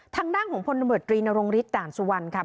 ทางด้านของพฑตรีนรองฤาติสต์ตานสวรรณ